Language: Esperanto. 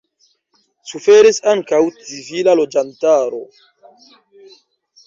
Suferis ankaŭ civila loĝantaro.